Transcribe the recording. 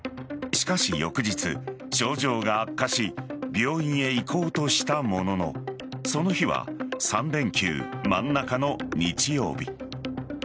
しかし翌日、症状が悪化し病院へ行こうとしたもののその日は３連休真ん中の日曜日。